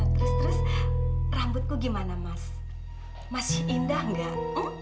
terus terus rambutku gimana mas masih indah nggak